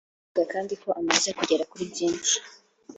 Avuga kandi ko amaze kugera kuri byinshi